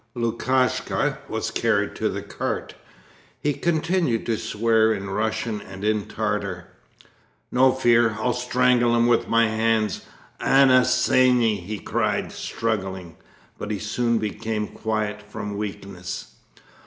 Lukashka was carried to the cart. He continued to swear in Russian and in Tartar. 'No fear, I'll strangle him with my hands. ANNA SENI!' he cried, struggling. But he soon became quiet from weakness.